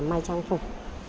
mai trang phục